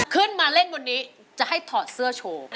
ขึ้นมาเล่นบนนี้จะให้ถอดเสื้อโชว์